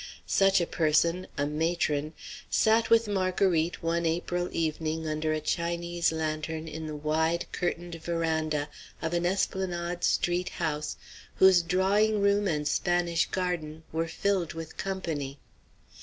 Such a person, a matron, sat with Marguerite one April evening under a Chinese lantern in the wide, curtained veranda of an Esplanade street house whose drawing room and Spanish garden were filled with company.